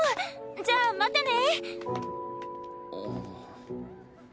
じゃあまたね。